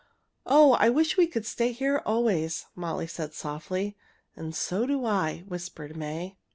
"Oh! I wish we could stay here always," Molly said softly. "And so do I," whispered May.